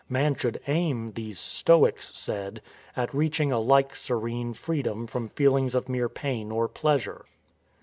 Man should aim, these Stoics said, at reaching a like serene free dom from feelings of mere pain or pleasure.